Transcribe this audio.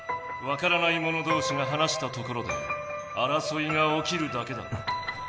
わからないもの同士が話したところであらそいがおきるだけだ。